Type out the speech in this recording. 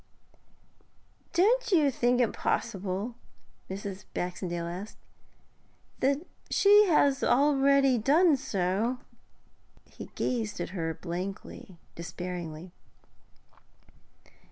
'Don't you think it possible,' Mrs. Baxendale asked, 'that she has already done so?' He gazed at her blankly, despairingly.